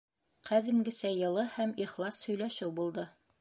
Ҡәҙимгесә йылы һәм ихлас һөйләшеү булды.